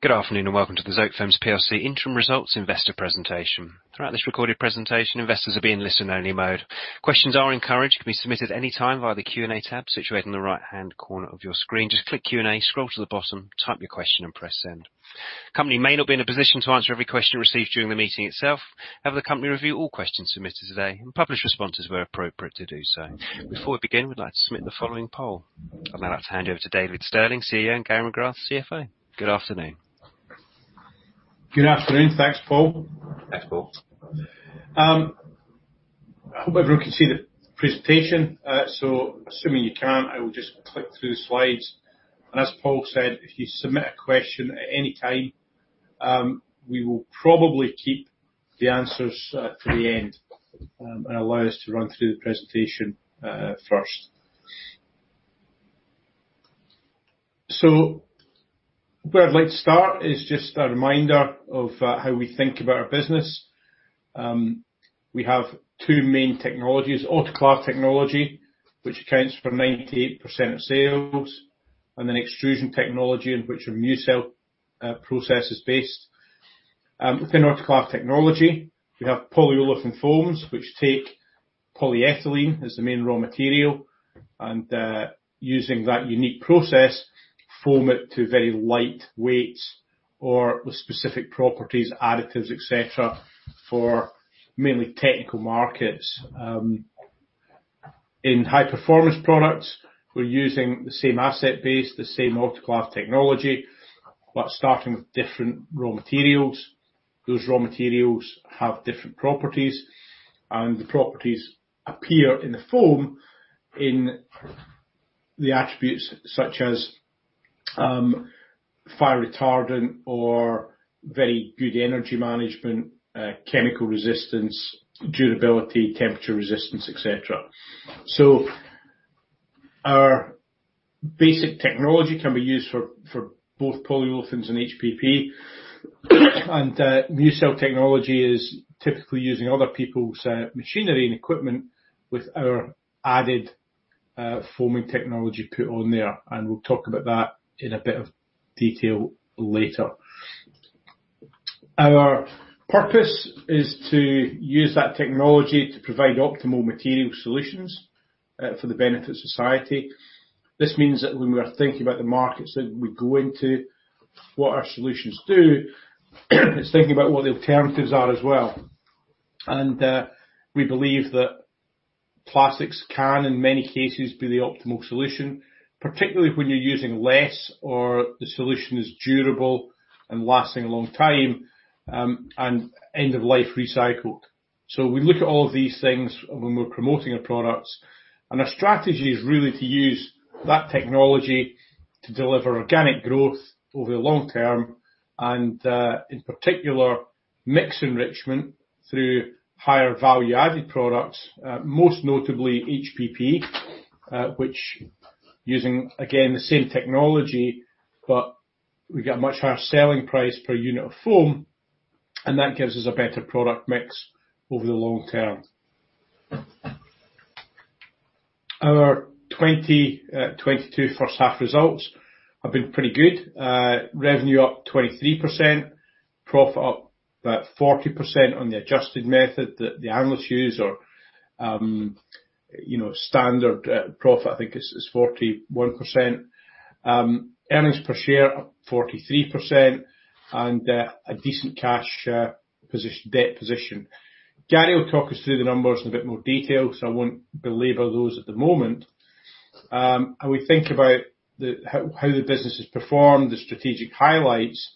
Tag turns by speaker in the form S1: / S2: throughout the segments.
S1: Good afternoon, and welcome to the Zotefoams plc Interim Results Investor Presentation. Throughout this recorded presentation, investors will be in listen-only mode. Questions are encouraged, can be submitted any time via the Q&A tab situated in the right-hand corner of your screen. Just click Q&A, scroll to the bottom, type your question, and press send. The company may not be in a position to answer every question received during the meeting itself. However, the company will review all questions submitted today and publish responses where appropriate to do so. Before we begin, we'd like to submit the following poll. I'd now like to hand over to David Stirling, CEO, and Gary McGrath, CFO. Good afternoon.
S2: Good afternoon. Thanks, Paul. I hope everyone can see the presentation. Assuming you can, I will just click through the slides. As Paul said, if you submit a question at any time, we will probably keep the answers to the end and allow us to run through the presentation first. Where I'd like to start is just a reminder of how we think about our business. We have two main technologies, autoclave technology, which accounts for 98% of sales, and then extrusion technology in which our MuCell process is based. Within autoclave technology, we have polyolefin foams, which take polyethylene as the main raw material and, using that unique process, foam it to very light weights or with specific properties, additives, etc., for mainly technical markets. In high-performance products, we're using the same asset base, the same autoclave technology, but starting with different raw materials. Those raw materials have different properties, and the properties appear in the foam in the attributes such as fire retardant or very good energy management, chemical resistance, durability, temperature resistance, etc. Our basic technology can be used for both polyolefins and HPP. MuCell technology is typically using other people's machinery and equipment with our added foaming technology put on there, and we'll talk about that in a bit of detail later. Our purpose is to use that technology to provide optimal material solutions for the benefit of society. This means that when we are thinking about the markets that we go into, what our solutions do, it's thinking about what the alternatives are as well. We believe that plastics can, in many cases, be the optimal solution, particularly when you're using less or the solution is durable and lasting a long time, and end-of-life recycled. We look at all of these things when we're promoting our products, and our strategy is really to use that technology to deliver organic growth over the long term and, in particular, mix enrichment through higher value-added products, most notably HPP, which using, again, the same technology, but we get a much higher selling price per unit of foam, and that gives us a better product mix over the long term. Our 2022 H1 results have been pretty good. Revenue up 23%, profit up about 40% on the adjusted method that the analysts use or, you know, standard profit, I think is 41%. Earnings per share up 43% and a decent cash position, debt position. Gary will talk us through the numbers in a bit more detail, so I won't belabor those at the moment. We think about how the business has performed, the strategic highlights.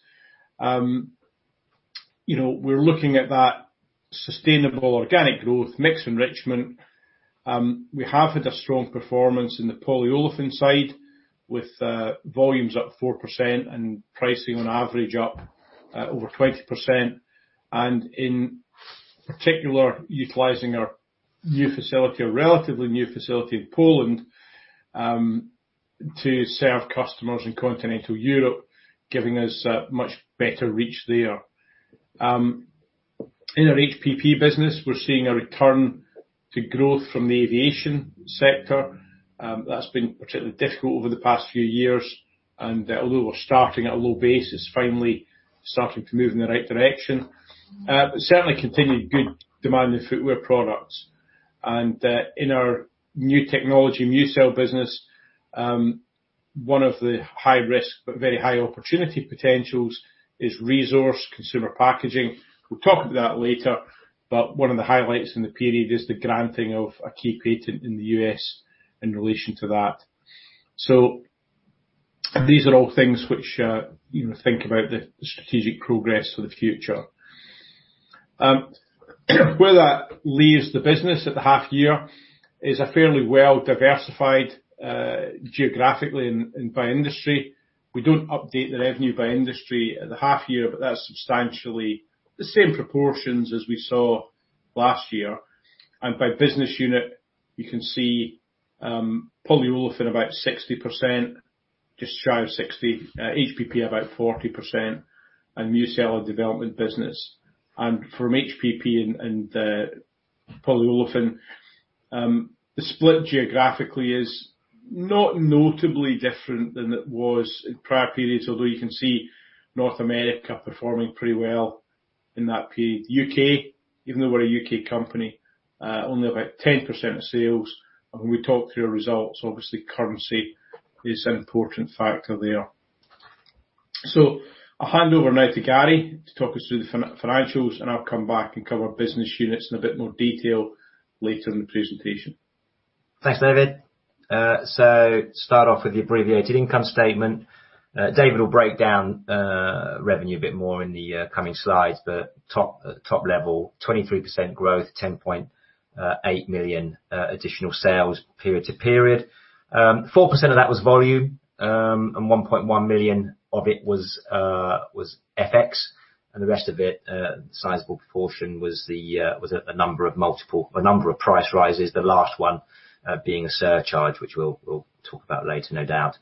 S2: You know, we're looking at that sustainable organic growth, mix enrichment. We have had a strong performance in the polyolefin side with volumes up 4% and pricing on average up over 20%, and in particular, utilizing our new facility, a relatively new facility in Poland to serve customers in continental Europe, giving us a much better reach there. In our HPP business, we're seeing a return to growth from the aviation sector. That's been particularly difficult over the past few years. Although we're starting at a low base, it's finally starting to move in the right direction. But certainly continued good demand in footwear products. In our new technology, MuCell business, one of the high-risk but very high opportunity potentials is ReZorce consumer packaging. We'll talk about that later, but one of the highlights in the period is the granting of a key patent in the U.S. in relation to that. These are all things which, you know, think about the strategic progress for the future. Where that leaves the business at the half year is a fairly well-diversified, geographically and by industry. We don't update the revenue by industry at the half year, but that's substantially the same proportions as we saw last year. By business unit, you can see polyolefin about 60%, just shy of 60%, HPP about 40%. MuCell Extrusion development business. From HPP and polyolefin, the split geographically is not notably different than it was in prior periods, although you can see North America performing pretty well in that period. UK, even though we're a UK company, only about 10% of sales, and when we talk through our results, obviously currency is an important factor there. I'll hand over now to Gary to talk us through the financials, and I'll come back and cover business units in a bit more detail later in the presentation.
S3: Thanks, David. Start off with the abbreviated income statement. David will break down revenue a bit more in the coming slides, but top level, 23% growth, 10.8 million additional sales period to period. 4% of that was volume, and 1.1 million of it was FX, and the rest of it, sizable proportion was a number of price rises, the last one being a surcharge, which we'll talk about later, no doubt.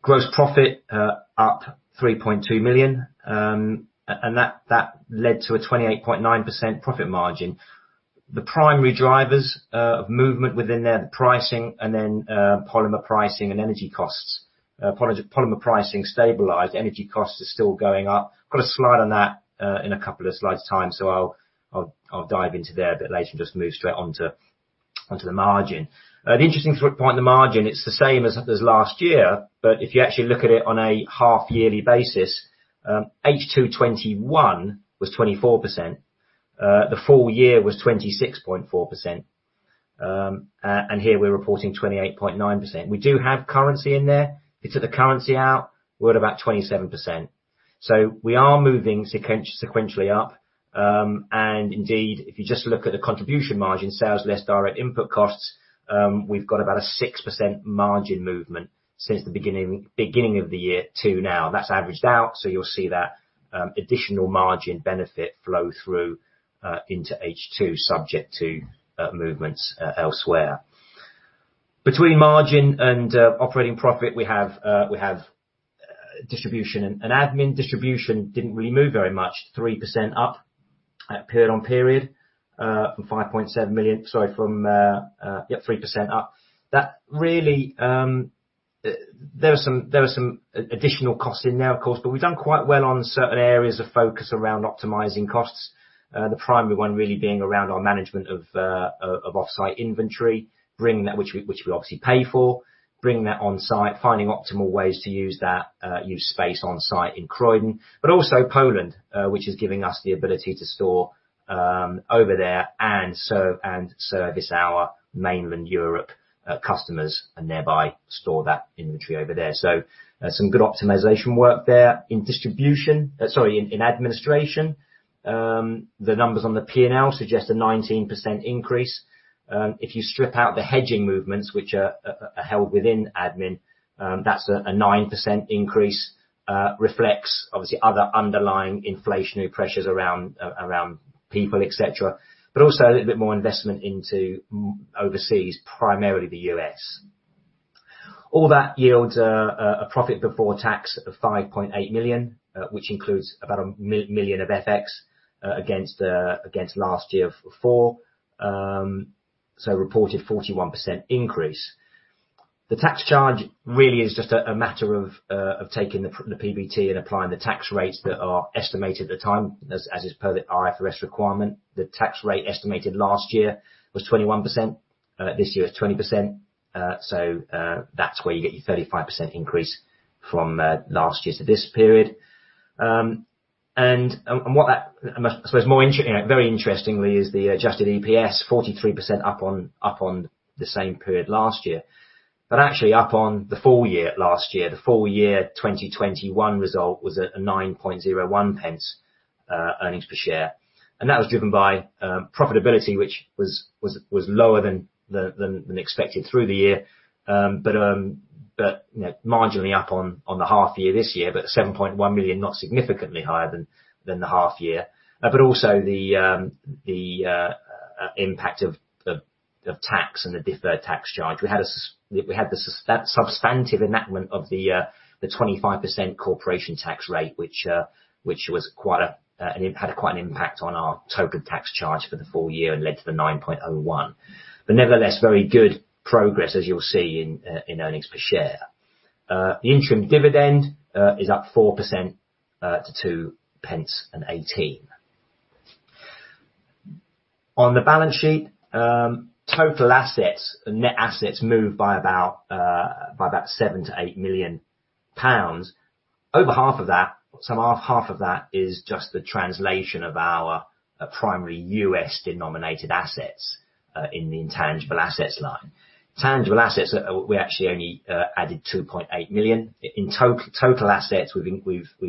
S3: Gross profit up 3.2 million, and that led to a 28.9% profit margin. The primary drivers of movement within there, the pricing and then polymer pricing and energy costs. Polymer pricing stabilized. Energy costs are still going up. Got a slide on that in a couple of slides' time, so I'll dive into there a bit later and just move straight onto the margin. An interesting point, the margin, it's the same as last year, but if you actually look at it on a half-yearly basis, H2 2021 was 24%. The full year was 26.4%. And here we're reporting 28.9%. We do have currency in there. If you took the currency out, we're at about 27%. So we are moving sequentially up, and indeed, if you just look at the contribution margin, sales less direct input costs, we've got about a 6% margin movement since the beginning of the year to now. That's averaged out, so you'll see that additional margin benefit flow through into H2, subject to movements elsewhere. Between margin and operating profit, we have distribution and admin. Distribution didn't really move very much, 3% up period on period from 5.7 million. Sorry, from yeah, 3% up. That really, there are some additional costs in there, of course, but we've done quite well on certain areas of focus around optimizing costs. The primary one really being around our management of off-site inventory, bringing that which we obviously pay for. Bringing that on site, finding optimal ways to use that, use space on site in Croydon, but also Poland, which is giving us the ability to store, over there and serve and service our mainland Europe, customers and thereby store that inventory over there. Some good optimization work there in distribution. Sorry, in administration. The numbers on the P&L suggest a 19% increase. If you strip out the hedging movements which are held within admin, that's a 9% increase. Reflects obviously other underlying inflationary pressures around around people, etc. Also a little bit more investment into overseas, primarily the US. All that yields a profit before tax of 5.8 million, which includes about a million of FX, against last year of 4 million. Reported 41% increase. The tax charge really is just a matter of taking the PBT and applying the tax rates that are estimated at the time, as is per the IFRS requirement. The tax rate estimated last year was 21%. This year it's 20%. That's where you get your 35% increase from, last year to this period. What that... I suppose more interestingly, very interestingly, is the adjusted EPS 43% up on the same period last year. Actually up on the full year last year. The full year 2021 result was a 9.01 pence earnings per share. That was driven by profitability, which was lower than the expected through the year. You know, marginally up on the half year this year. 7.1 million, not significantly higher than the half year. Also the impact of tax and the deferred tax charge. We had the substantive enactment of the 25% corporation tax rate, which had quite an impact on our total tax charge for the full year and led to the 9.01 million. Nevertheless, very good progress, as you'll see in earnings per share. The interim dividend is up 4% to 0.0218. On the balance sheet, total assets, net assets moved by about 7-8 million pounds. Over half of that, half of that is just the translation of our primary U.S. denominated assets in the intangible assets line. Tangible assets, we actually only added 2.8 million. In total assets, we've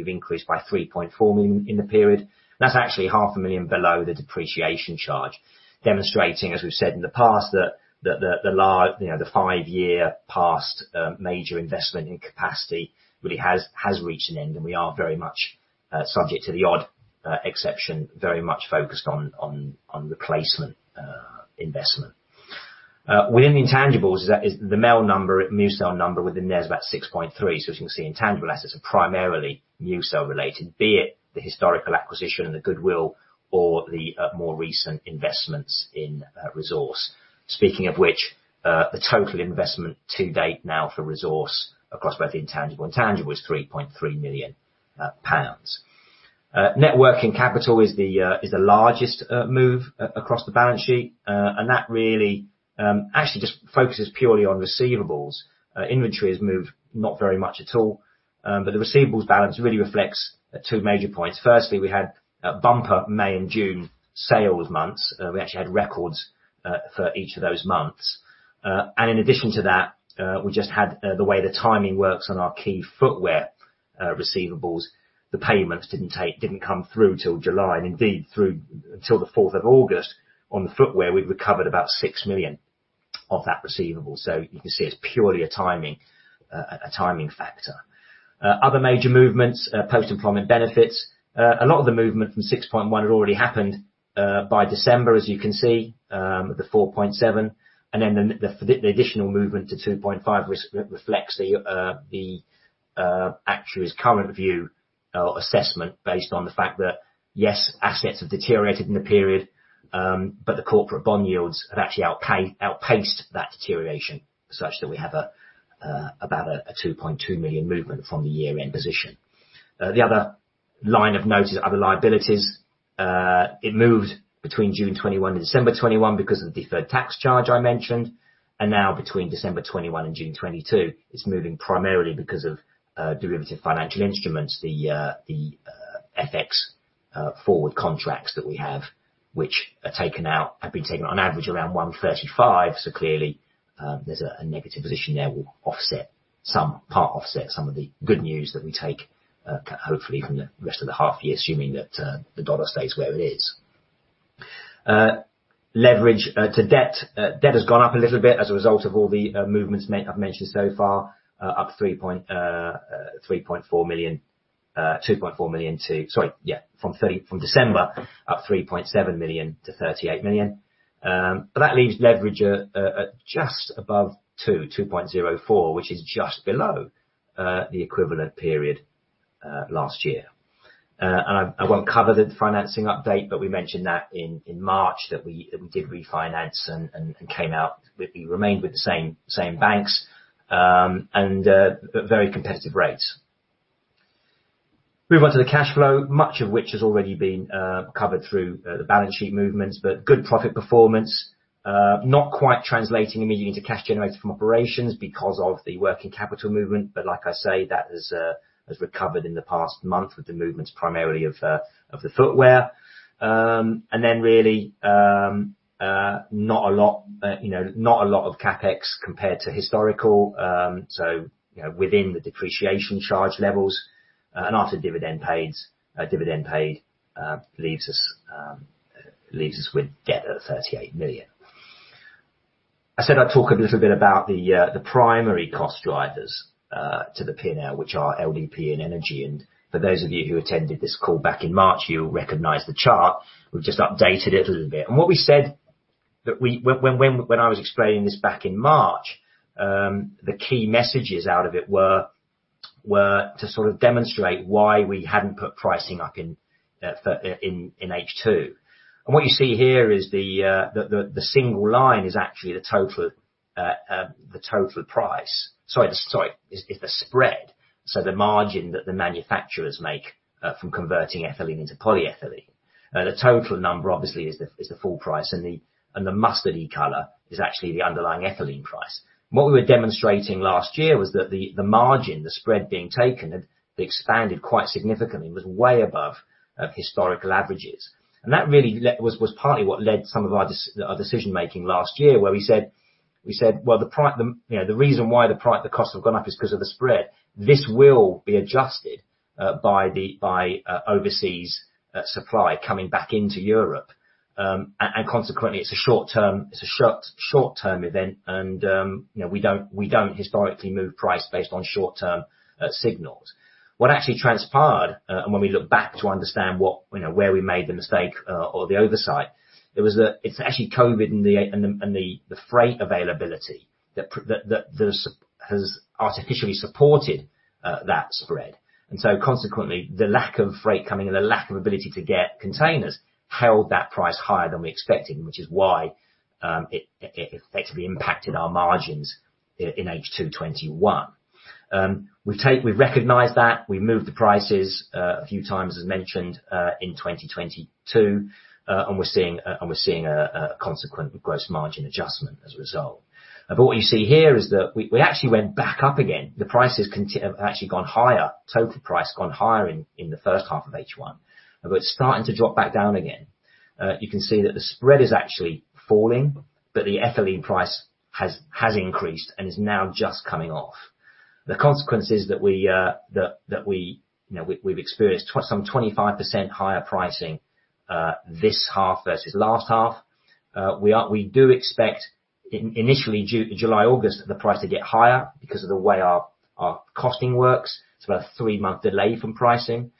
S3: increased by 3.4 million in the period. That's actually half a million below the depreciation charge, demonstrating, as we've said in the past, that you know the past five-year major investment in capacity really has reached an end, and we are very much subject to the odd exception, very much focused on replacement investment. Within the intangibles that is the MuCell number within there it's about 6.3 million. As you can see, intangible assets are primarily new sale related, be it the historical acquisition and the goodwill or the more recent investments in ReZorce. Speaking of which, the total investment to date now for ReZorce across both the intangible and tangible is 3.3 million pounds. Net working capital is the largest move across the balance sheet. That really actually just focuses purely on receivables. Inventory has moved not very much at all, but the receivables balance really reflects the two major points. Firstly, we had a bumper May and June sales months. We actually had records for each of those months. In addition to that, we just had the way the timing works on our key footwear receivables, the payments didn't come through till July and indeed through until the fourth of August on the footwear, we've recovered about 6 million of that receivable. You can see it's purely a timing factor. Other major movements, post-employment benefits. A lot of the movement from 6.1% had already happened by December, as you can see, with the 4.7%, and then the additional movement to 2.5% reflects the actuary's current view or assessment based on the fact that, yes, assets have deteriorated in the period, but the corporate bond yields have actually outpaced that deterioration such that we have about a 2.2 million movement from the year-end position. The other line of note is other liabilities. It moved between June 2021 to December 2021 because of the deferred tax charge I mentioned. Now between December 2021 and June 2022, it's moving primarily because of derivative financial instruments. FX forward contracts that we have, which have been taken on average around 135. Clearly, there's a negative position there that will part offset some of the good news that we take hopefully from the rest of the half year, assuming that the dollar stays where it is. Leverage to debt. Debt has gone up a little bit as a result of all the movements made. I've mentioned so far, up 3.7 million from December to 38 million. But that leaves leverage at just above 2.04, which is just below the equivalent period last year. I won't cover the financing update, but we mentioned that in March that we did refinance and came out with we remained with the same banks and at very competitive rates. Move on to the cash flow, much of which has already been covered through the balance sheet movements, but good profit performance not quite translating immediately into cash generated from operations because of the working capital movement. Like I say, that has recovered in the past month with the movements primarily of the footwear. Really, not a lot, you know, of CapEx compared to historical. You know, within the depreciation charge levels, and after dividend paid, leaves us with debt at 38 million. I said I'd talk a little bit about the primary cost drivers to the P&L, which are LDPE and energy. For those of you who attended this call back in March, you'll recognize the chart. We've just updated it a little bit. What we said when I was explaining this back in March, the key messages out of it were to sort of demonstrate why we hadn't put pricing up in H2. What you see here is the single line is actually the total price. Sorry. Is the spread. The margin that the manufacturers make from converting ethylene into polyethylene. The total number obviously is the full price, and the mustardy color is actually the underlying ethylene price. What we were demonstrating last year was that the margin, the spread being taken had expanded quite significantly, was way above historical averages. That really was partly what led some of our decision making last year, where we said, "Well, you know, the reason why the costs have gone up is 'cause of the spread. This will be adjusted by the overseas supply coming back into Europe. Consequently, it's a short-term event, and you know, we don't historically move price based on short-term signals. What actually transpired and when we look back to understand what, you know, where we made the mistake or the oversight, it was actually COVID and the freight availability that has artificially supported that spread. Consequently, the lack of freight coming and the lack of ability to get containers held that price higher than we expected, which is why it effectively impacted our margins in H2 2021. We've recognized that. We moved the prices a few times, as mentioned, in 2022. We're seeing a consequent gross margin adjustment as a result. What you see here is that we actually went back up again. The price has actually gone higher. Total price gone higher in the H1 of H1. It's starting to drop back down again. You can see that the spread is actually falling, but the ethylene price has increased and is now just coming off. The consequence is that we you know we've experienced some 25% higher pricing this half versus last half. We do expect initially July, August the price to get higher because of the way our costing works. It's about a three-month delay from pricing,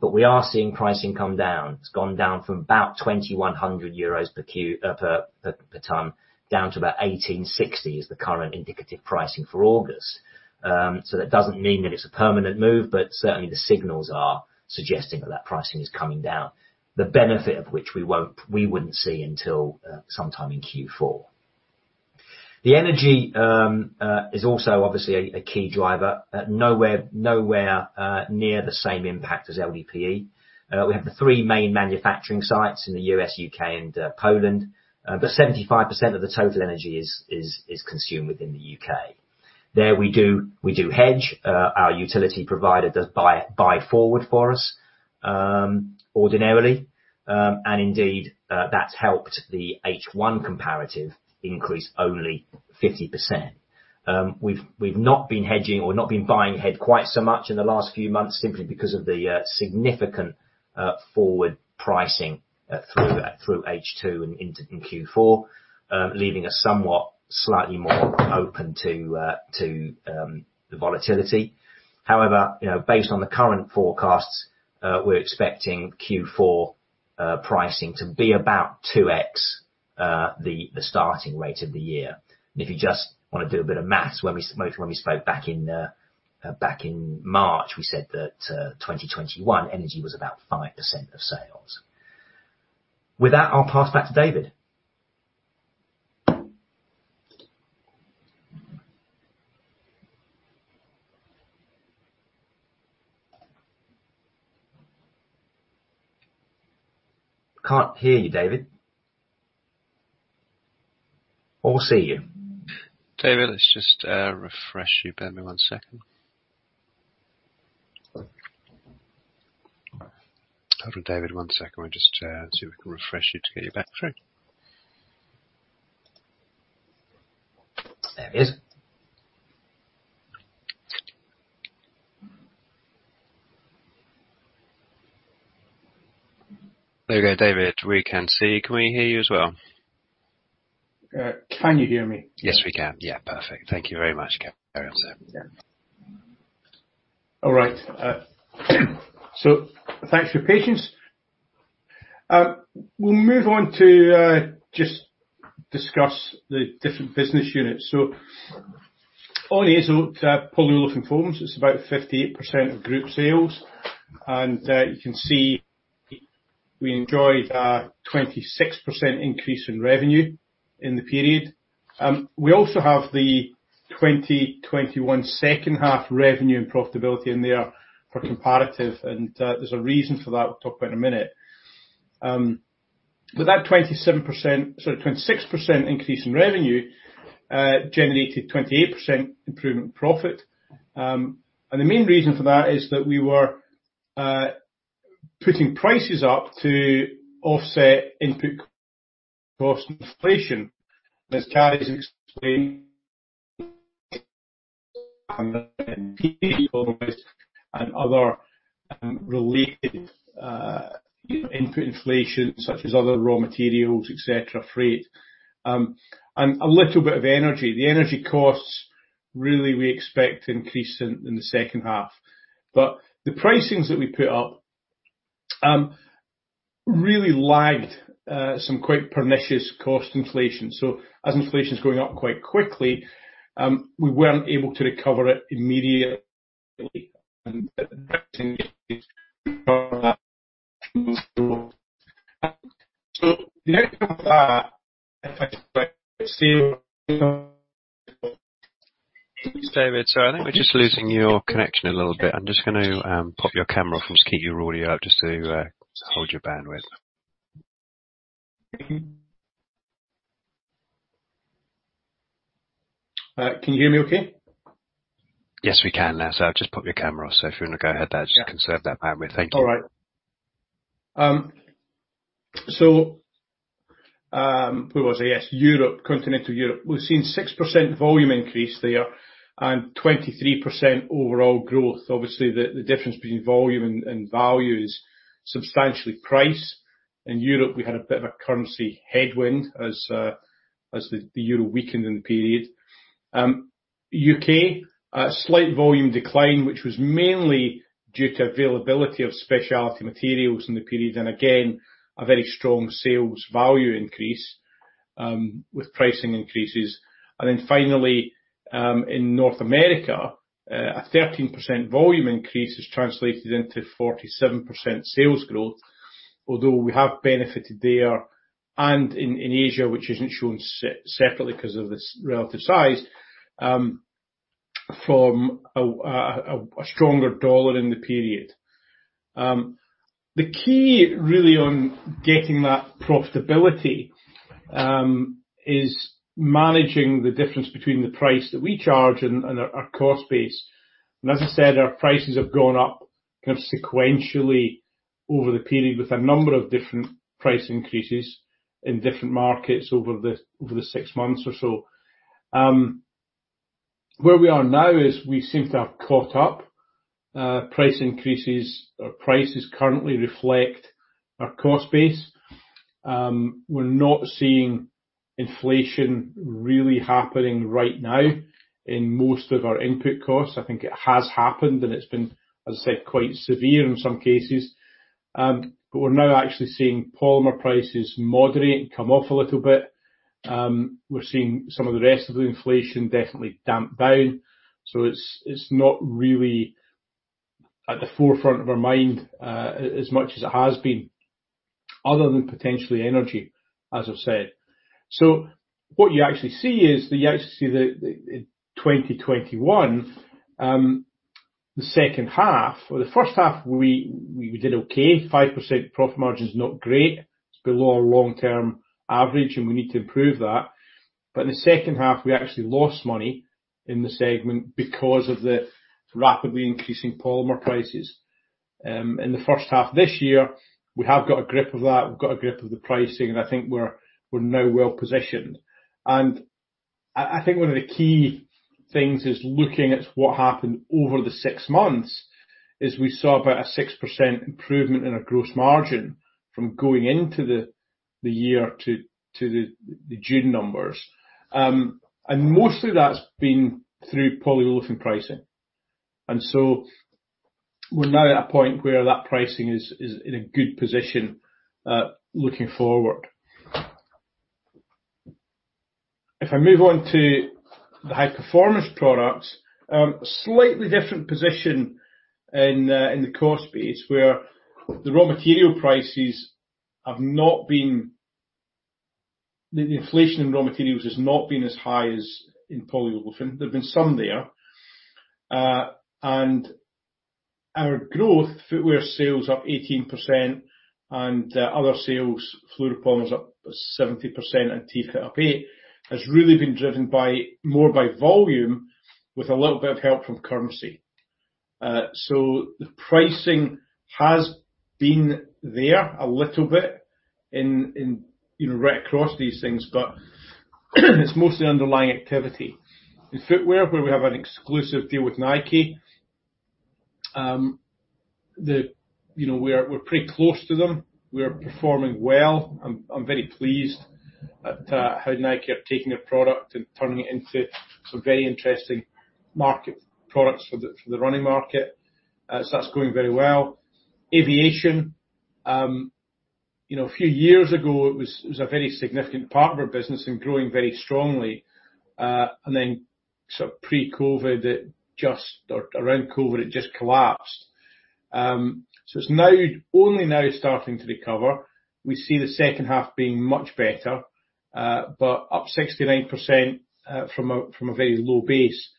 S3: but we are seeing pricing come down. It's gone down from about 2,100 euros per ton down to about 1,860 is the current indicative pricing for August. So that doesn't mean that it's a permanent move, but certainly the signals are suggesting that that pricing is coming down. The benefit of which we wouldn't see until sometime in Q4. The energy is also obviously a key driver, nowhere near the same impact as LDPE. We have the three main manufacturing sites in the U.S., U.K. and Poland. But 75% of the total energy is consumed within the U.K. There we do hedge, our utility provider does buy forward for us ordinarily. And indeed, that's helped the H1 comparative increase only 50%. We've not been hedging or not been buying hedge quite so much in the last few months, simply because of the significant forward pricing through H2 and into Q4, leaving us somewhat slightly more open to the volatility. However, you know, based on the current forecasts, we're expecting Q4 pricing to be about 2x the starting rate of the year. If you just wanna do a bit of math, when we spoke back in March, we said that 2021 energy was about 5% of sales. With that, I'll pass back to David. Can't hear you, David. Or see you.
S1: David, let's just refresh you. Bear with me one second. Hold on, David, one second. We'll just see if we can refresh you to get you back through.
S3: There he is.
S1: There we go, David. We can see. Can we hear you as well?
S2: Can you hear me?
S1: Yes, we can. Yeah, perfect. Thank you very much. Gary on, sir.
S2: All right. Thanks for your patience. We'll move on to just discuss the different business units. On AZOTE, Polyolefin Foams, it's about 58% of group sales. You can see we enjoyed a 26% increase in revenue in the period. We also have the 2021 H2 revenue and profitability in there for comparative and there's a reason for that. We'll talk about in a minute. That 26% increase in revenue generated 28% improvement profit. The main reason for that is that we were putting prices up to offset input cost inflation. As Charlie has explained, and other related input inflation such as other raw materials, etc., freight. A little bit of energy. The energy costs really we expect to increase in the H2. The pricings that we put up really lagged some quite pernicious cost inflation. As inflation's going up quite quickly, we weren't able to recover it immediately.
S1: David, sorry, I think we're just losing your connection a little bit. I'm just gonna pop your camera off and just keep your audio up just to hold your bandwidth.
S2: Can you hear me okay?
S1: Yes, we can now. I've just popped your camera off, so if you wanna go ahead, Dave, just conserve that bandwidth. Thank you.
S2: All right. Where was I? Yes, Europe, continental Europe. We've seen 6% volume increase there and 23% overall growth. Obviously, the difference between volume and value is substantially price. In Europe, we had a bit of a currency headwind as the euro weakened in the period. UK, a slight volume decline, which was mainly due to availability of specialty materials in the period. Again, a very strong sales value increase with pricing increases. Finally, in North America, a 13% volume increase has translated into 47% sales growth, although we have benefited there and in Asia, which isn't shown separately 'cause of its relative size, from a stronger dollar in the period. The key really on getting that profitability is managing the difference between the price that we charge and our cost base. As I said, our prices have gone up kind of sequentially over the period with a number of different price increases in different markets over the six months or so. Where we are now is we seem to have caught up price increases. Our prices currently reflect our cost base. We're not seeing inflation really happening right now in most of our input costs. I think it has happened and it's been, as I said, quite severe in some cases. We're now actually seeing polymer prices moderate and come off a little bit. We're seeing some of the rest of the inflation definitely damp down. It's not really at the forefront of our mind, as much as it has been, other than potentially energy, as I've said. What you actually see is the in 2021, the H1 we did okay, 5% profit margin is not great. It's below our long-term average, and we need to improve that. In the H2, we actually lost money in the segment because of the rapidly increasing polymer prices. In the H1 this year, we have got a grip of that. We've got a grip of the pricing, and I think we're now well-positioned. I think one of the key things is looking at what happened over the six months is we saw about a 6% improvement in our gross margin from going into the year to the June numbers. Mostly that's been through polyolefin pricing. We're now at a point where that pricing is in a good position looking forward. If I move on to the high-performance products, slightly different position in the cost base where the raw material prices have not been. The inflation in raw materials has not been as high as in polyolefin. There have been some there. Our growth, footwear sales up 18% and other sales, fluoropolymers up 70% and T-FIT up 8%, has really been driven by more by volume with a little bit of help from currency. The pricing has been there a little bit in, you know, right across these things, but it's mostly underlying activity. In footwear, where we have an exclusive deal with Nike, you know, we're pretty close to them. We're performing well. I'm very pleased at how Nike are taking a product and turning it into some very interesting market products for the running market. That's going very well. Aviation, you know, a few years ago it was a very significant part of our business and growing very strongly. Then sort of around COVID it just collapsed. It's now only now starting to recover. We see the H2 being much better, but up 69%, from a very low base.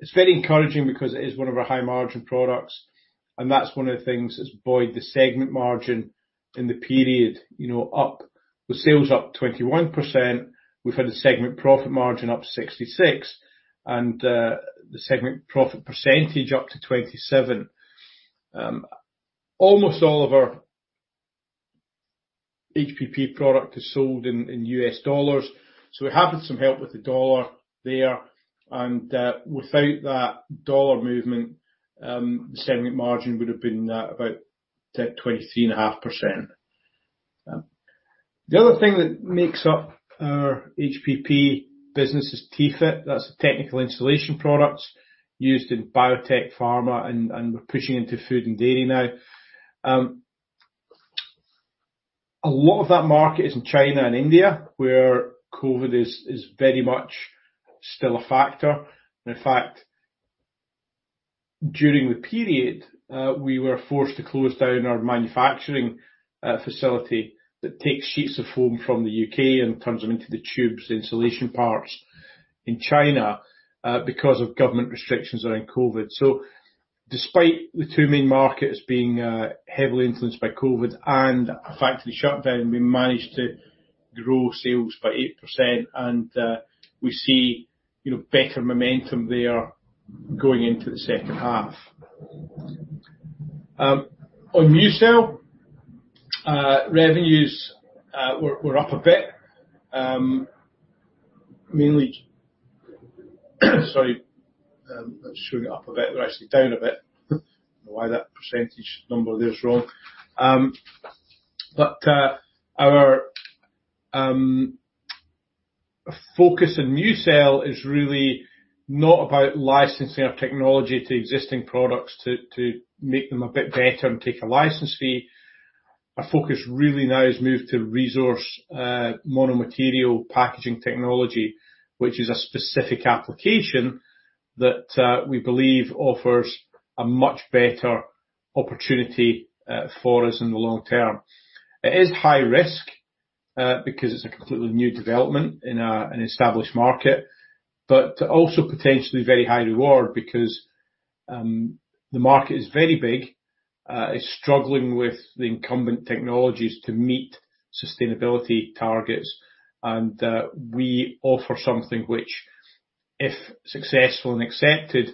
S2: It's very encouraging because it is one of our high margin products and that's one of the things that's buoyed the segment margin in the period, you know, up. With sales up 21%, we've had a segment profit margin up 66% and the segment profit percentage up to 27%. Almost all of our HPP product is sold in US dollars, so we have had some help with the dollar there and without that dollar movement, the segment margin would have been about 23.5%. The other thing that makes up our HPP business is T-FIT. That's technical insulation products used in biotech pharma and we're pushing into food and dairy now. A lot of that market is in China and India, where COVID is very much still a factor. In fact, during the period, we were forced to close down our manufacturing facility that takes sheets of foam from the UK and turns them into the tubes, insulation parts in China, because of government restrictions around COVID. Despite the two main markets being heavily influenced by COVID and a factory shutdown, we managed to grow sales by 8% and we see, you know, better momentum there going into the H2. On MuCell revenues were up a bit. That's showing it up a bit. We're actually down a bit. Don't know why that percentage number there is wrong. Our focus in MuCell is really not about licensing our technology to existing products to make them a bit better and take a license fee. Our focus really now has moved to ReZorce mono-material packaging technology, which is a specific application that we believe offers a much better opportunity for us in the long term. It is high risk because it's a completely new development in an established market, but also potentially very high reward because the market is very big. It's struggling with the incumbent technologies to meet sustainability targets and we offer something which if successful and accepted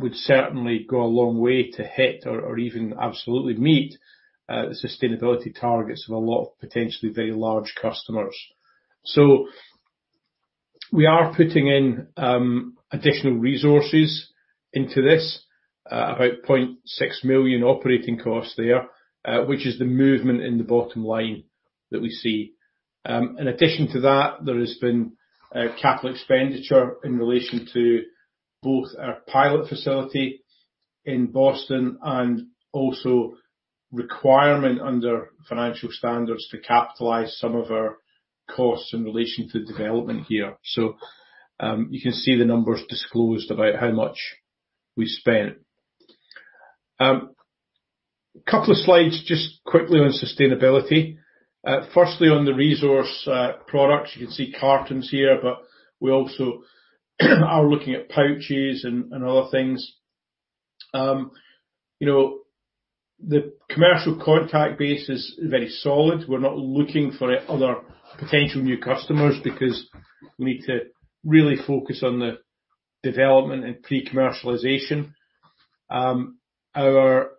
S2: would certainly go a long way to hit or even absolutely meet the sustainability targets of a lot of potentially very large customers. We are putting in additional resources into this about 0.6 million operating costs there, which is the movement in the bottom line that we see. In addition to that, there has been capital expenditure in relation to both our pilot facility in Boston and also requirement under financial standards to capitalize some of our costs in relation to the development here. You can see the numbers disclosed about how much we spent. Couple of slides just quickly on sustainability. Firstly, on the ReZorce products. You can see cartons here, but we also are looking at pouches and other things. You know, the commercial contract base is very solid. We're not looking for other potential new customers because we need to really focus on the development and pre-commercialization. Our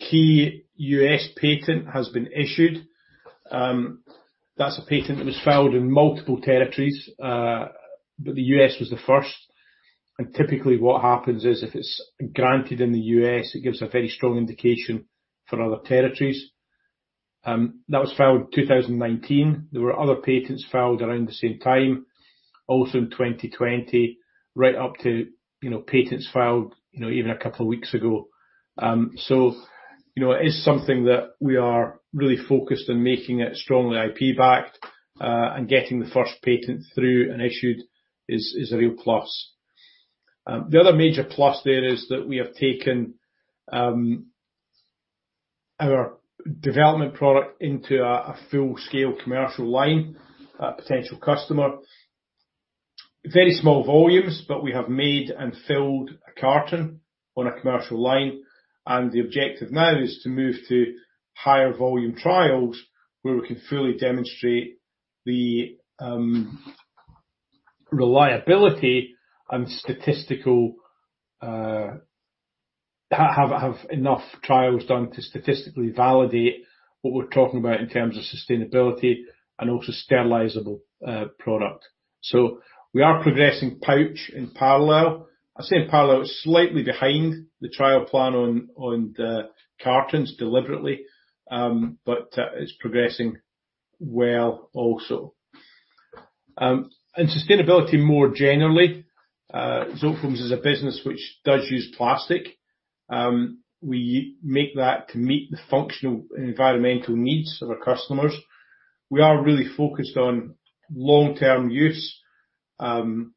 S2: key U.S. patent has been issued. That's a patent that was filed in multiple territories, but the U.S. was the first. Typically what happens is if it's granted in the U.S., it gives a very strong indication for other territories. That was filed 2019. There were other patents filed around the same time, also in 2020, right up to, you know, patents filed, you know, even a couple of weeks ago. You know it is something that we are really focused on making it strongly IP-backed, and getting the first patent through and issued is a real plus. The other major plus there is that we have taken our development product into a full-scale commercial line, a potential customer. Very small volumes, but we have made and filled a carton on a commercial line. The objective now is to move to higher volume trials where we can fully demonstrate the reliability and statistically have enough trials done to statistically validate what we're talking about in terms of sustainability and also sterilizable product. We are progressing pouch in parallel. I say in parallel, it's slightly behind the trial plan on the cartons deliberately, but it's progressing well also. Sustainability more generally, Zotefoams is a business which does use plastic. We make that to meet the functional and environmental needs of our customers. We are really focused on long-term use and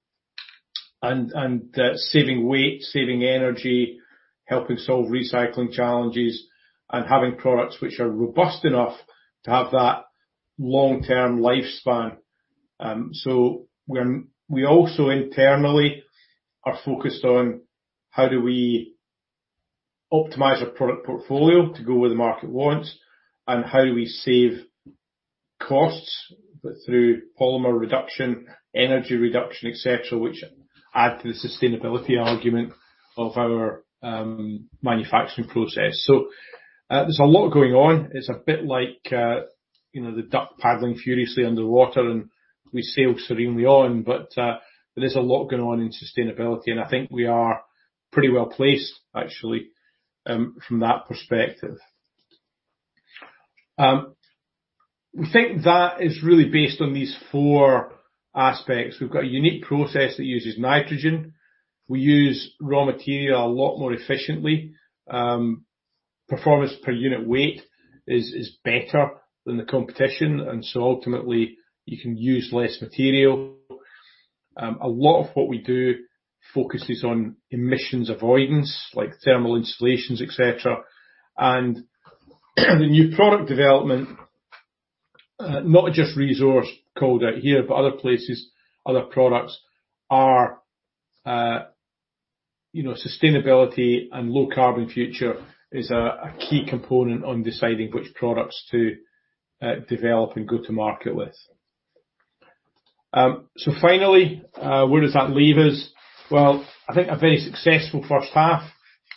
S2: saving weight, saving energy, helping solve recycling challenges, and having products which are robust enough to have that long-term lifespan. We also internally are focused on how do we optimize our product portfolio to go where the market wants and how we save costs through polymer reduction, energy reduction, etc., which add to the sustainability argument of our manufacturing process. There's a lot going on. It's a bit like, you know, the duck paddling furiously underwater and we sail serenely on. There's a lot going on in sustainability, and I think we are pretty well-placed actually from that perspective. We think that is really based on these four aspects. We've got a unique process that uses nitrogen. We use raw material a lot more efficiently. Performance per unit weight is better than the competition, and so ultimately you can use less material. A lot of what we do focuses on emissions avoidance, like thermal insulations, etc. The new product development, not just ReZorce called out here, but other places, other products are, you know, sustainability and low carbon future is a key component in deciding which products to develop and go to market with. Finally, where does that leave us? Well, I think a very successful H1.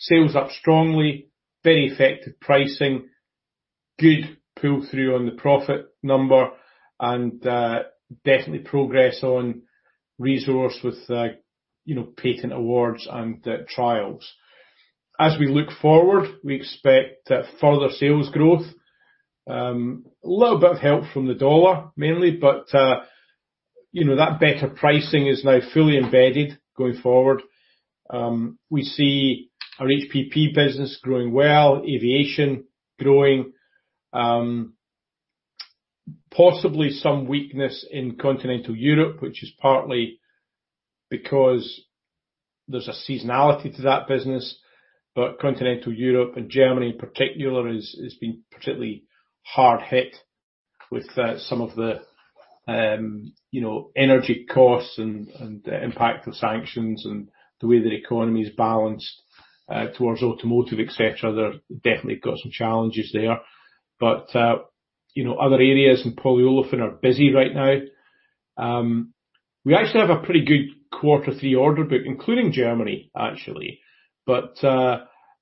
S2: Sales up strongly, very effective pricing, good pull-through on the profit number and definitely progress on ReZorce with, you know, patent awards and the trials. As we look forward, we expect further sales growth. A little bit of help from the US dollar mainly, but, you know, that better pricing is now fully embedded going forward. We see our HPP business growing well, aviation growing, possibly some weakness in continental Europe, which is partly because there's a seasonality to that business. Continental Europe and Germany in particular has been particularly hard hit with some of the, you know, energy costs and the impact of sanctions and the way their economy is balanced towards automotive, etc. They're definitely got some challenges there. You know, other areas and polyolefin are busy right now. We actually have a pretty good quarter three order book, including Germany actually, but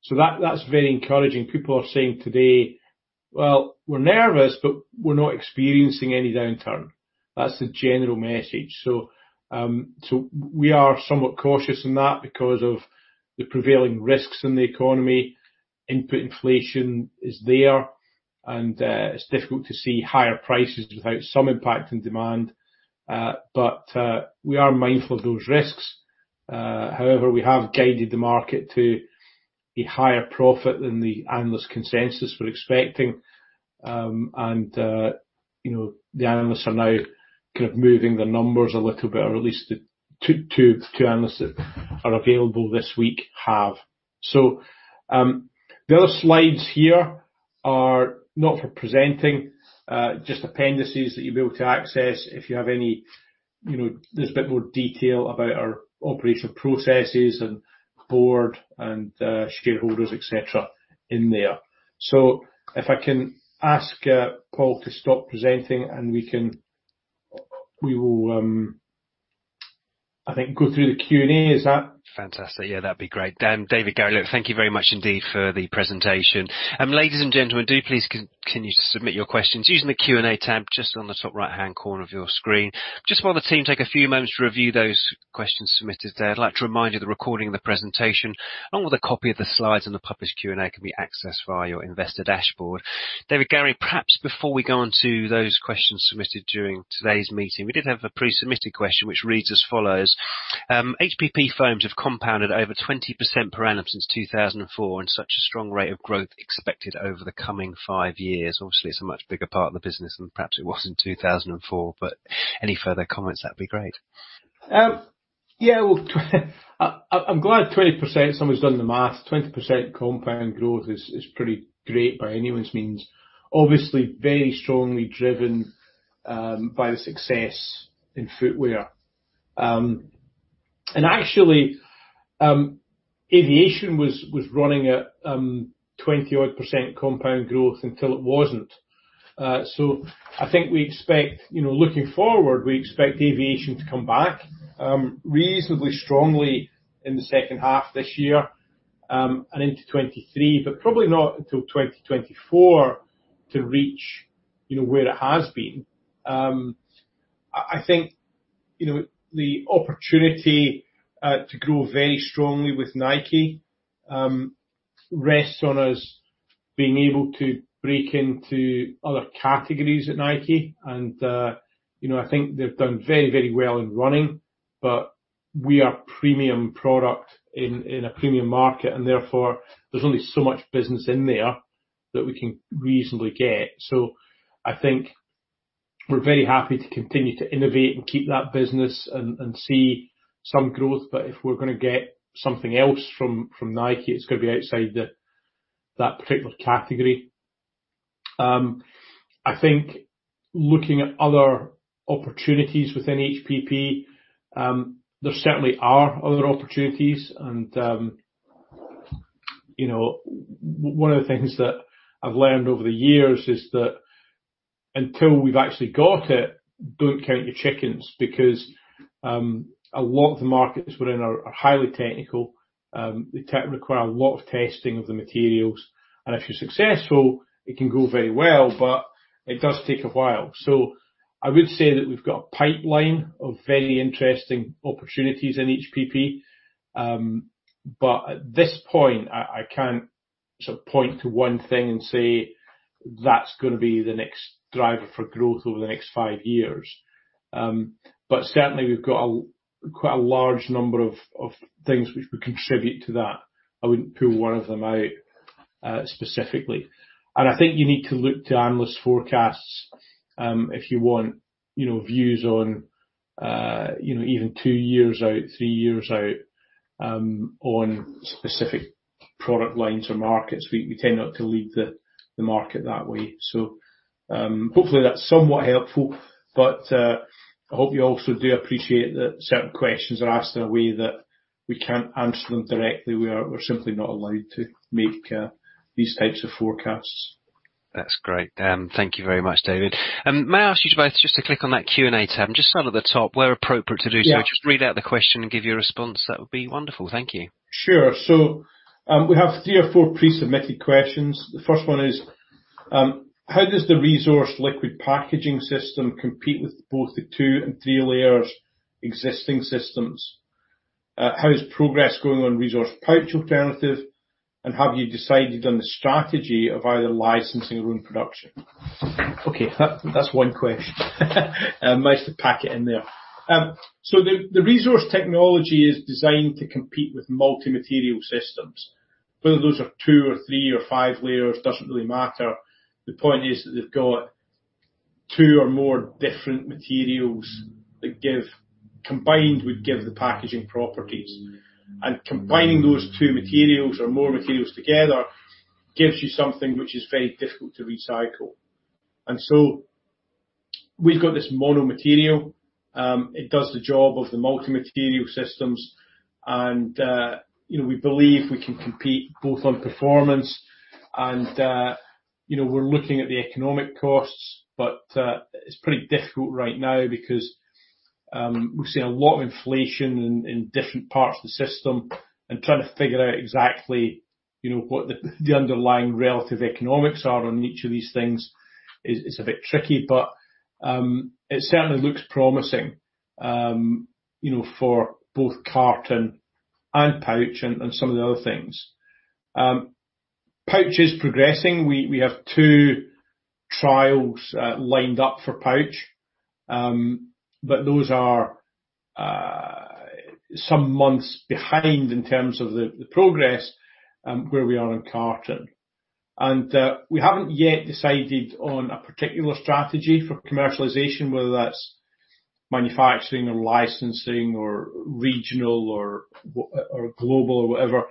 S2: so that's very encouraging. People are saying today. Well, we're nervous, but we're not experiencing any downturn. That's the general message. We are somewhat cautious in that because of the prevailing risks in the economy. Input inflation is there, and it's difficult to see higher prices without some impact in demand. We are mindful of those risks. However, we have guided the market to a higher profit than the analyst consensus we're expecting. You know, the analysts are now kind of moving the numbers a little bit, or at least the two analysts that are available this week have. The other slides here are not for presenting, just appendices that you'll be able to access if you have any, you know. There's a bit more detail about our operational processes and board and shareholders, etc., in there. If I can ask Paul to stop presenting, and we will, I think, go through the Q&A. Is that?
S1: Fantastic. Yeah, that'd be great. David, Gary, look, thank you very much indeed for the presentation. Ladies and gentlemen, do please continue to submit your questions using the Q&A tab just on the top right-hand corner of your screen. Just while the team take a few moments to review those questions submitted there, I'd like to remind you the recording of the presentation, along with a copy of the slides and the published Q&A, can be accessed via your investor dashboard. David, Gary, perhaps before we go on to those questions submitted during today's meeting, we did have a pre-submitted question which reads as follows: HPP firms have compounded over 20% per annum since 2004 and such a strong rate of growth expected over the coming five years. Obviously, it's a much bigger part of the business than perhaps it was in 2004, but any further comments, that'd be great.
S2: Yeah. Well, I'm glad 20%... Someone's done the math. 20% compound growth is pretty great by anyone's means. Obviously, very strongly driven by the success in footwear. Actually, aviation was running at 20-odd% compound growth until it wasn't. I think we expect, you know, looking forward, we expect aviation to come back reasonably strongly in the H2 this year and into 2023, but probably not until 2024 to reach, you know, where it has been. I think, you know, the opportunity to grow very strongly with Nike rests on us being able to break into other categories at Nike and, you know, I think they've done very, very well in running, but we are premium product in a premium market, and therefore there's only so much business in there that we can reasonably get. I think we're very happy to continue to innovate and keep that business and see some growth. If we're gonna get something else from Nike, it's gonna be outside that particular category. I think looking at other opportunities within HPP, there certainly are other opportunities and, you know, one of the things that I've learned over the years is that until we've actually got it, don't count your chickens because a lot of the markets we're in are highly technical. They require a lot of testing of the materials, and if you're successful, it can go very well, but it does take a while. I would say that we've got a pipeline of very interesting opportunities in HPP. At this point, I can't sort of point to one thing and say that's gonna be the next driver for growth over the next five years. Certainly we've got quite a large number of things which would contribute to that. I wouldn't pull one of them out, specifically. I think you need to look to analyst forecasts, if you want, you know, views on, you know, even two years out, three years out, on specific product lines or markets. We tend not to lead the market that way. Hopefully that's somewhat helpful, but I hope you also do appreciate that certain questions are asked in a way that we can't answer them directly. We're simply not allowed to make these types of forecasts.
S1: That's great. Thank you very much, David. May I ask you to both just to click on that Q&A tab just down at the top where appropriate to do so?
S2: Yeah.
S1: Just read out the question and give your response. That would be wonderful. Thank you.
S2: Sure. We have three or four pre-submitted questions. The first one is, how does the ReZorce liquid packaging system compete with both the two and three layers existing systems? How is progress going on ReZorce pouch alternative, and have you decided on the strategy of either licensing or own production? Okay, that's one question. I managed to pack it in there. The ReZorce technology is designed to compete with multi-material systems. Whether those are two or three or five layers doesn't really matter. The point is that they've got two or more different materials that combined would give the packaging properties. Combining those two materials or more materials together gives you something which is very difficult to recycle. We've got this mono material. It does the job of the multi-material systems and, you know, we believe we can compete both on performance and, you know, we're looking at the economic costs, but it's pretty difficult right now because we've seen a lot of inflation in different parts of the system, and trying to figure out exactly, you know, what the underlying relative economics are on each of these things is a bit tricky. But it certainly looks promising, you know, for both carton and pouch and some of the other things. Pouch is progressing. We have two trials lined up for pouch. But those are some months behind in terms of the progress where we are in carton. We haven't yet decided on a particular strategy for commercialization, whether that's manufacturing or licensing or regional or global or whatever.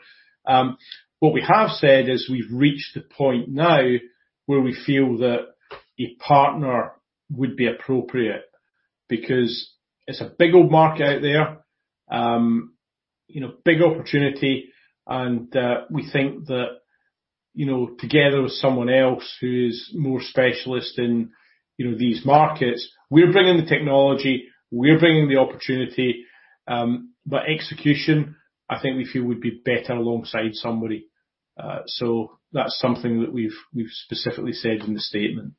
S2: You know, big opportunity and we think that, you know, together with someone else who is more specialist in, you know, these markets, we're bringing the technology, we're bringing the opportunity, but execution, I think we feel would be better alongside somebody. That's something that we've specifically said in the statement.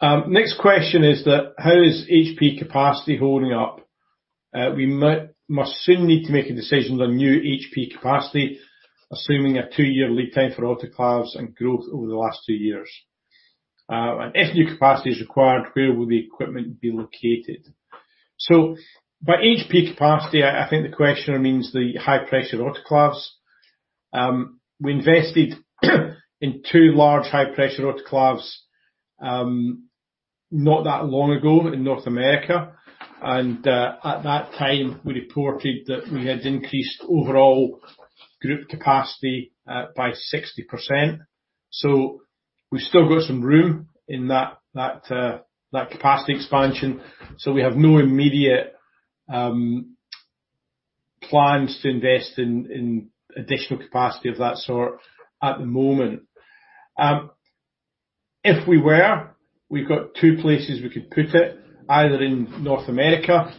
S2: Next question is that, "How is HPP capacity holding up? We must soon need to make a decision on new HPP capacity, assuming a two-year lead time for autoclaves and growth over the last two years. If new capacity is required, where will the equipment be located? By HP capacity, I think the questioner means the high-pressure autoclaves. We invested in two large high-pressure autoclaves, not that long ago in North America. At that time, we reported that we had increased overall group capacity by 60%. We've still got some room in that capacity expansion. We have no immediate plans to invest in additional capacity of that sort at the moment. If we were, we've got two places we could put it. Either in North America,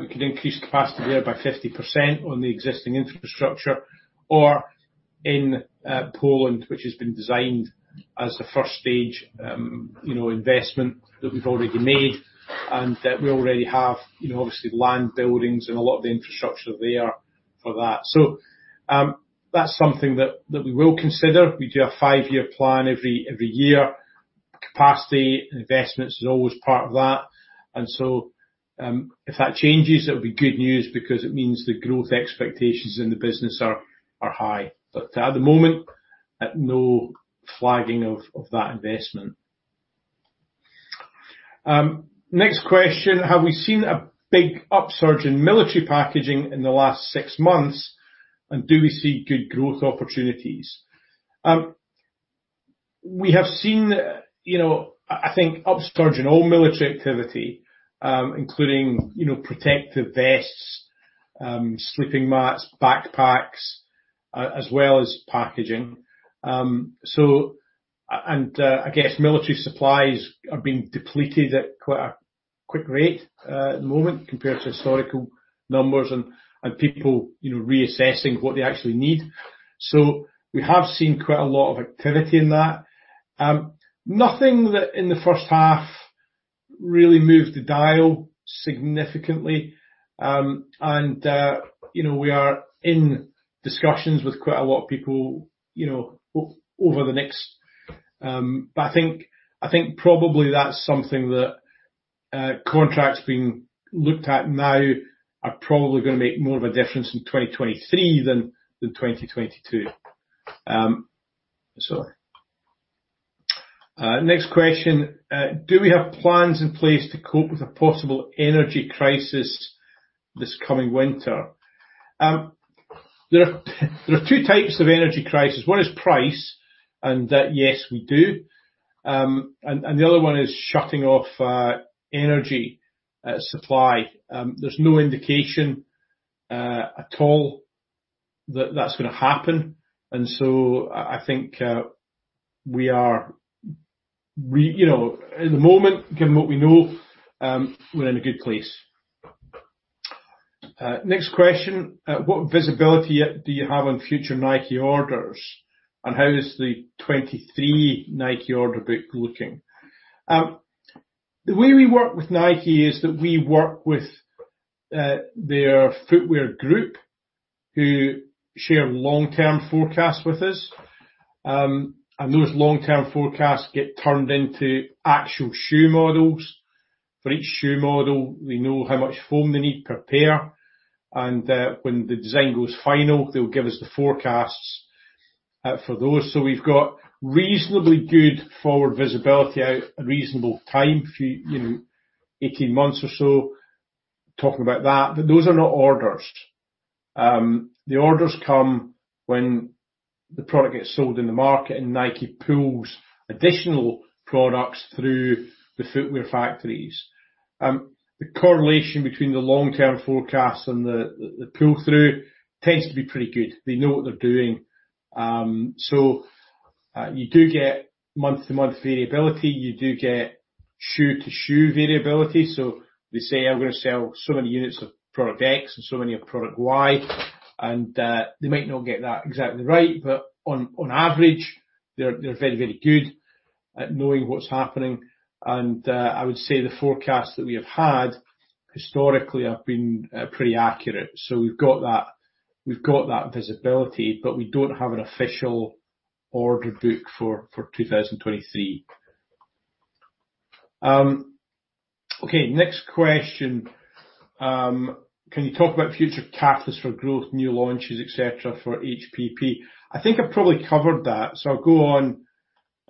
S2: we could increase capacity there by 50% on the existing infrastructure, or in Poland, which has been designed as the first stage, you know, investment that we've already made and that we already have, you know, obviously land, buildings, and a lot of the infrastructure there for that. That's something that we will consider. We do a five-year plan every year. Capacity and investments is always part of that. If that changes, it'll be good news because it means the growth expectations in the business are high. But at the moment, at no flagging of that investment. Next question: "Have we seen a big upsurge in military packaging in the last six months, and do we see good growth opportunities?" We have seen, you know, I think upsurge in all military activity, including, you know, protective vests, sleeping mats, backpacks, as well as packaging. I guess military supplies are being depleted at quite a quick rate, at the moment compared to historical numbers and people, you know, reassessing what they actually need. We have seen quite a lot of activity in that. Nothing that in the H1 really moved the dial significantly. We are in discussions with quite a lot of people, you know, over the next. I think probably that's something that contracts being looked at now are probably gonna make more of a difference in 2023 than 2022. Next question: "Do we have plans in place to cope with a possible energy crisis this coming winter?" There are two types of energy crisis. One is price, and yes, we do. And the other one is shutting off energy supply. There's no indication at all that that's gonna happen. I think we are you know at the moment given what we know we're in a good place. Next question: "What visibility do you have on future Nike orders, and how is the 2023 Nike order book looking?" The way we work with Nike is that we work with their footwear group who share long-term forecasts with us. Those long-term forecasts get turned into actual shoe models. For each shoe model, we know how much foam they need per pair. When the design goes final, they'll give us the forecasts for those. We've got reasonably good forward visibility out a reasonable time for, you know, 18 months or so talking about that. Those are not orders. The orders come when the product gets sold in the market and Nike pulls additional products through the footwear factories. The correlation between the long-term forecasts and the pull-through tends to be pretty good. They know what they're doing. You do get month-to-month variability. You do get shoe-to-shoe variability. They say, "I'm gonna sell so many units of product X and so many of product Y," and they might not get that exactly right. On average, they're very good at knowing what's happening. I would say the forecasts that we have had historically have been pretty accurate. We've got that visibility, but we don't have an official order book for 2023. Okay, next question. Can you talk about future catalysts for growth, new launches, et cetera, for HPP? I think I probably covered that, so I'll go on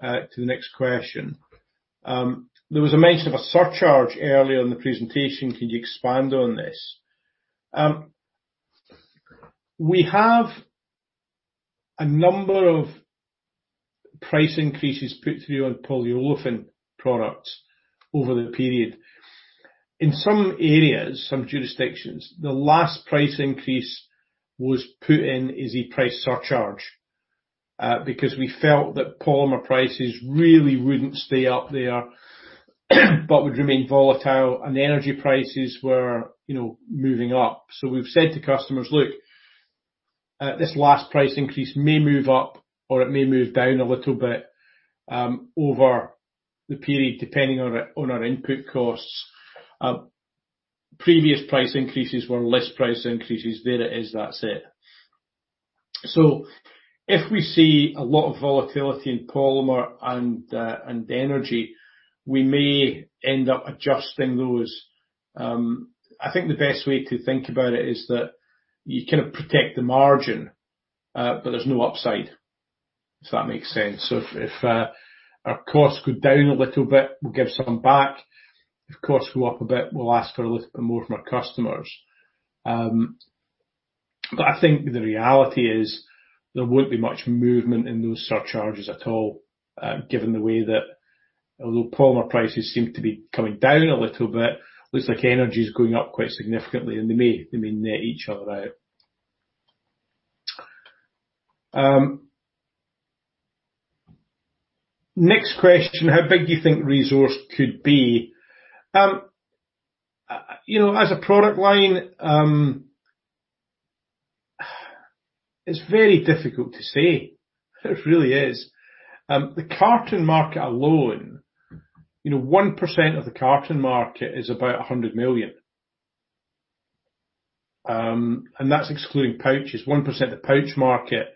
S2: to the next question. There was a mention of a surcharge earlier in the presentation. Can you expand on this? We have a number of price increases put through on polyolefin products over the period. In some areas, some jurisdictions, the last price increase was put in as a price surcharge, because we felt that polymer prices really wouldn't stay up there, but would remain volatile and the energy prices were, you know, moving up. We've said to customers, "Look, this last price increase may move up or it may move down a little bit, over the period, depending on our input costs. Previous price increases were less price increases. There it is. That's it." If we see a lot of volatility in polymer and energy, we may end up adjusting those. I think the best way to think about it is that you kind of protect the margin, but there's no upside, if that makes sense. If our costs go down a little bit, we'll give something back. If costs go up a bit, we'll ask for a little bit more from our customers. I think the reality is there won't be much movement in those surcharges at all, given the way that although polymer prices seem to be coming down a little bit, looks like energy is going up quite significantly and they may net each other out. Next question: How big do you think ReZorce could be? You know, as a product line, it's very difficult to say. It really is. The carton market alone, you know, 1% of the carton market is about 100 million. That's excluding pouches. 1% of the pouch market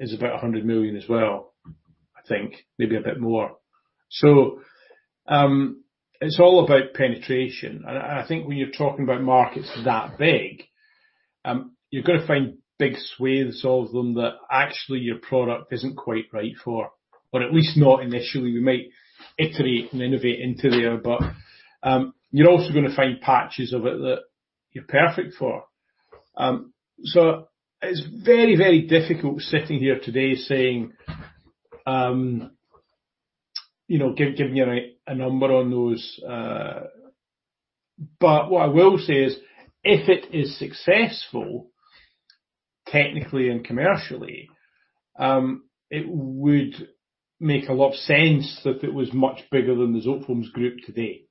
S2: is about 100 million as well, I think. Maybe a bit more. It's all about penetration. I think when you're talking about markets that big, you're gonna find big swathes of them that actually your product isn't quite right for, or at least not initially. We might iterate and innovate into there, but, you're also gonna find patches of it that you're perfect for. It's very, very difficult sitting here today saying, you know, giving you a number on those. What I will say is if it is successful technically and commercially, it would make a lot of sense if it was much bigger than the Zotefoams Group today.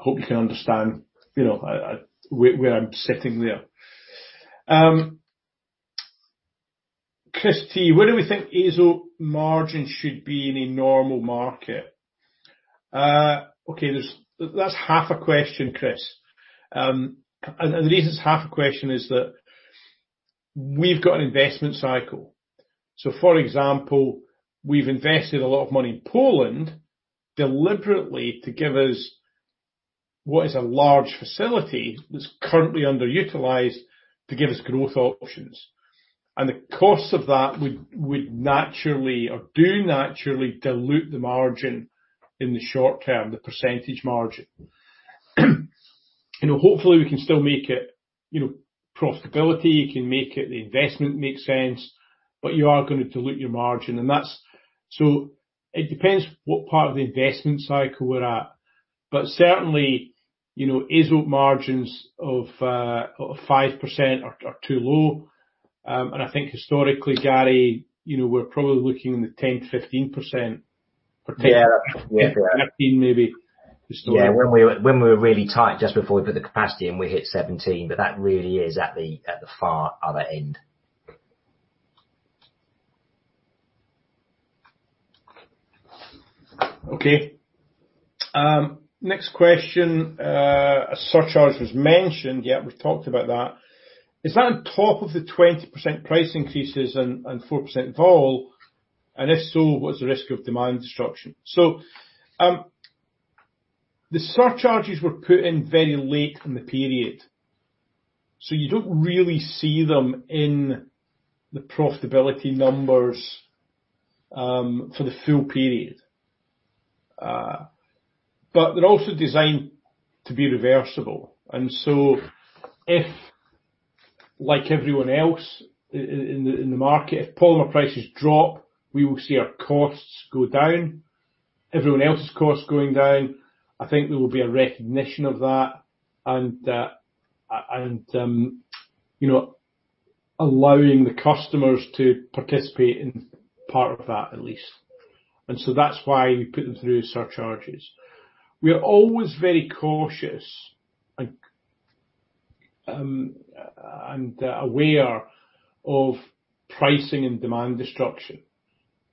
S2: Hope you can understand, you know, where I'm sitting there. Chris T: Where do we think AZOTE margins should be in a normal market? Okay, that's half a question, Chris. The reason it's half a question is that we've got an investment cycle. For example, we've invested a lot of money in Poland deliberately to give us what is a large facility that's currently underutilized to give us growth options. The costs of that would naturally or do naturally dilute the margin in the short term, the percentage margin. You know, hopefully we can still make it, you know, profitability, you can make it, the investment makes sense, but you are gonna dilute your margin and that's. It depends what part of the investment cycle we're at. Certainly, you know, AZOTE margins of 5% are too low. I think historically, Gary, you know, we're probably looking in the 10%-15%-
S3: Yeah.
S2: 10%-15% maybe historically.
S3: Yeah. When we were really tight just before we put the capacity and we hit 17%, but that really is at the far other end.
S2: Okay. Next question. A surcharge was mentioned. Yeah, we've talked about that. Is that on top of the 20% price increases and 4% vol? If so, what is the risk of demand destruction? The surcharges were put in very late in the period, so you don't really see them in the profitability numbers for the full period. But they're also designed to be reversible. If, like everyone else in the market, if polymer prices drop, we will see our costs go down. Everyone else's costs going down, I think there will be a recognition of that and you know, allowing the customers to participate in part of that at least. That's why you put them through surcharges. We are always very cautious and aware of pricing and demand destruction.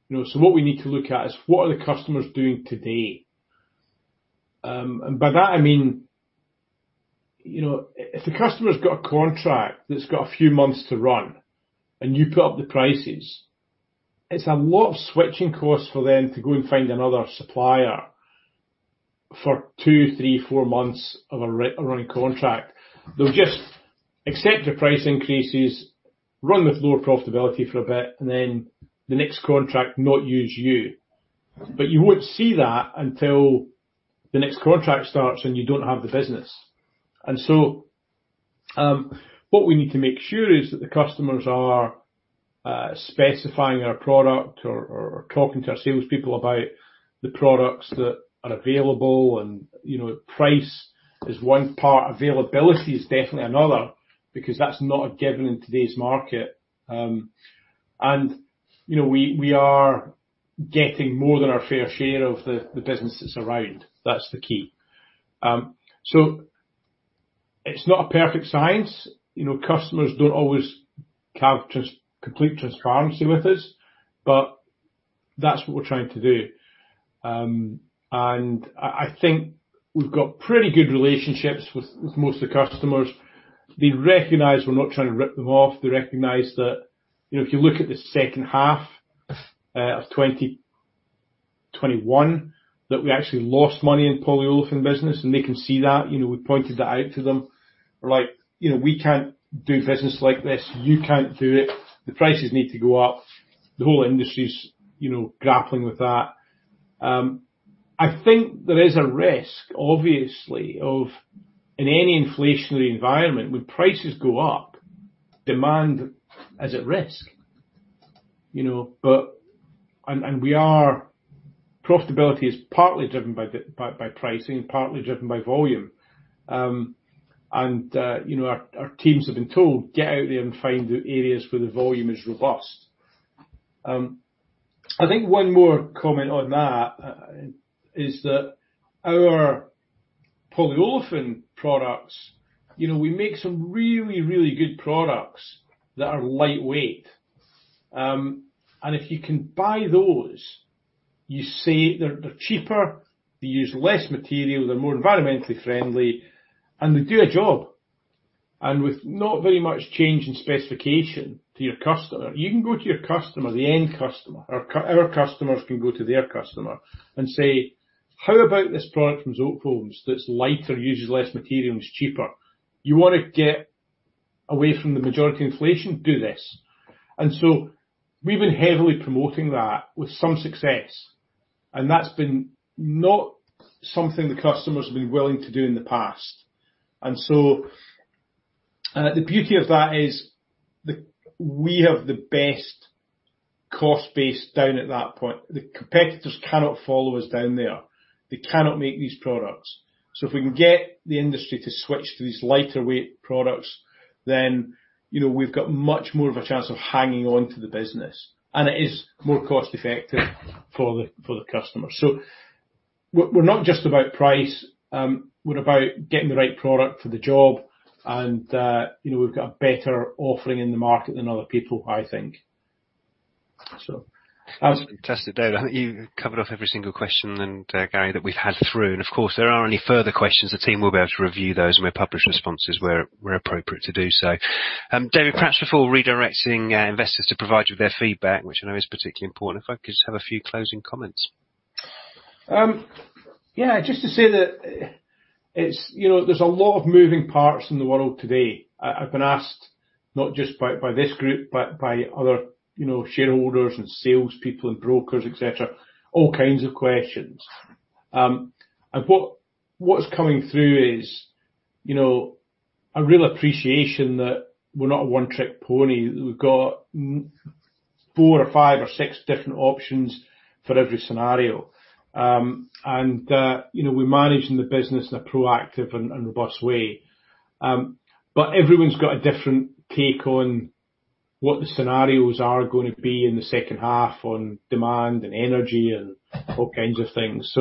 S2: You know, so what we need to look at is what are the customers doing today? By that I mean, you know, if the customer's got a contract that's got a few months to run and you put up the prices, it's a lot of switching costs for them to go and find another supplier for two, three, four months of a running contract. They'll just accept your price increases, run with lower profitability for a bit, and then the next contract not use you. You won't see that until the next contract starts and you don't have the business. What we need to make sure is that the customers are specifying our product or talking to our salespeople about the products that are available and, you know, price is one part, availability is definitely another because that's not a given in today's market. You know, we are getting more than our fair share of the businesses around. That's the key. It's not a perfect science. You know, customers don't always have complete transparency with us, but that's what we're trying to do. I think we've got pretty good relationships with most of the customers. They recognize we're not trying to rip them off. They recognize that, you know, if you look at the H2 of 2021, that we actually lost money in polyolefin business, and they can see that. You know, we pointed that out to them. We're like, "You know, we can't do business like this. You can't do it. The prices need to go up." The whole industry's, you know, grappling with that. I think there is a risk, obviously, of in any inflationary environment, when prices go up, demand is at risk, you know. Profitability is partly driven by pricing and partly driven by volume. You know, our teams have been told, "Get out there and find the areas where the volume is robust." I think one more comment on that is that our polyolefin products, you know, we make some really, really good products that are lightweight. If you can buy those, you save. They're cheaper, they use less material, they're more environmentally friendly, and they do a job. With not very much change in specification to your customer, you can go to your customer, the end customer, or our customers can go to their customer and say, "How about this product from Zotefoams that's lighter, uses less material, and is cheaper? You wanna get away from the majority inflation. Do this." We've been heavily promoting that with some success, and that's been not something the customers have been willing to do in the past. The beauty of that is we have the best cost base down at that point. The competitors cannot follow us down there. They cannot make these products. If we can get the industry to switch to these lighter weight products, then, you know, we've got much more of a chance of hanging on to the business, and it is more cost effective for the customer. We're not just about price, we're about getting the right product for the job and, you know, we've got a better offering in the market than other people, I think. That's
S1: Fantastic, David. I think you covered off every single question then, Gary, that we've had through. Of course, if there are any further questions, the team will be able to review those and we'll publish responses where appropriate to do so. David, perhaps before redirecting investors to provide you with their feedback, which I know is particularly important, if I could just have a few closing comments.
S2: Yeah, just to say that it's, you know, there's a lot of moving parts in the world today. I've been asked, not just by this group, but by other, you know, shareholders and salespeople and brokers, etc., all kinds of questions. What is coming through is, you know, a real appreciation that we're not a one-trick pony. We've got four or five or six different options for every scenario. You know, we're managing the business in a proactive and robust way. Everyone's got a different take on what the scenarios are gonna be in the H2 on demand and energy and all kinds of things.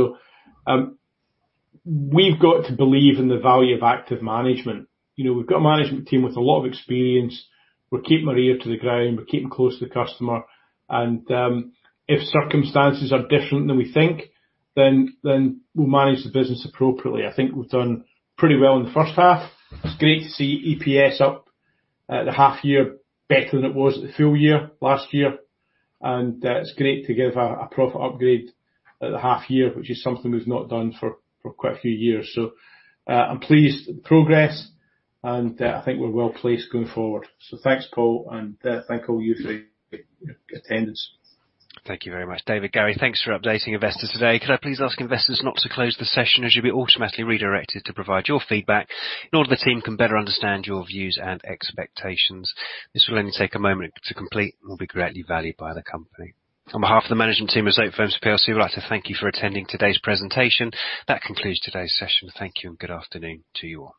S2: We've got to believe in the value of active management. You know, we've got a management team with a lot of experience. We're keeping our ear to the ground. We're keeping close to the customer. If circumstances are different than we think, then we'll manage the business appropriately. I think we've done pretty well in the H1. It's great to see EPS up at the half year better than it was at the full year last year. It's great to give a profit upgrade at the half year, which is something we've not done for quite a few years. I'm pleased with the progress, and I think we're well placed going forward. Thanks, Paul, and thank you all for your attendance.
S1: Thank you very much, David. Gary, thanks for updating investors today. Could I please ask investors not to close the session, as you'll be automatically redirected to provide your feedback in order the team can better understand your views and expectations. This will only take a moment to complete and will be greatly valued by the company. On behalf of the management team at Zotefoams plc, we'd like to thank you for attending today's presentation. That concludes today's session. Thank you and good afternoon to you all.